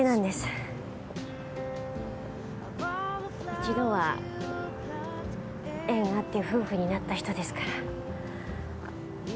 一度は縁あって夫婦になった人ですから。